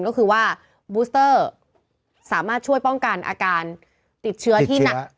ก็คือว่าบูสเตอร์สามารถช่วยป้องกันอาการติดเชื้อที่หนัก